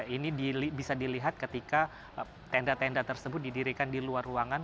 ini bisa dilihat ketika tenda tenda tersebut didirikan di luar ruangan